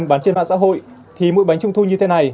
bán trên mạng xã hội thì mỗi bánh trung thu như thế này